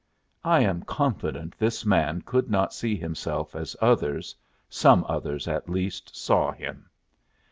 I am confident this man could not see himself as others some others, at least saw him.